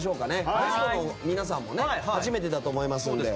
ゲストの皆さんも初めてだと思いますので。